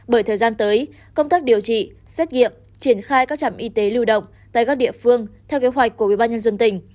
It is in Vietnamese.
bởi thời gian tới công tác điều trị xét nghiệm triển khai các trạm y tế lưu động tại các địa phương theo kế hoạch của ubnd tỉnh